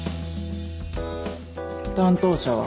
担当者は？